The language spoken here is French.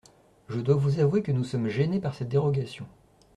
Je dois vous avouer que nous sommes gênés par cette dérogation.